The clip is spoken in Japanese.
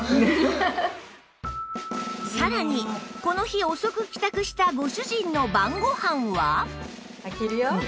さらにこの日遅く帰宅したご主人の晩ご飯は？